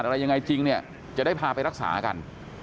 มีอะไรยังไงจริงจะได้พาไปรักษากัน